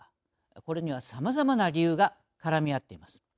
これには、さまざまな理由が絡み合っています。